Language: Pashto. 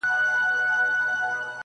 په هر ځای کي نر او ښځي په ژړا وه!!